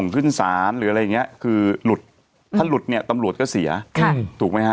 ขึ้นศาลหรืออะไรอย่างนี้คือหลุดถ้าหลุดเนี่ยตำรวจก็เสียถูกไหมฮะ